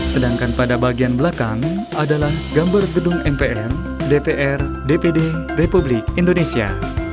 sedangkan pada bagian belakang adalah gambar gedung mpr dpr dpd republik indonesia